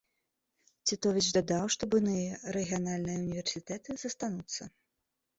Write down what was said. Цітовіч дадаў, што буйныя рэгіянальныя ўніверсітэты застануцца.